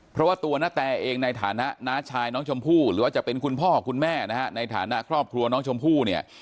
เพราะว่าตัวนาแตเองในฐานะน้าชายน้องชมพู่หรือว่าจะเป็นคุณพ่อคุณแม่นะฮะในฐานะครอบครัวน้องชมพู่เนี่ย